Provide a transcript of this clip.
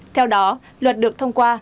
theo đó luật được thông qua